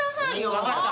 分かった。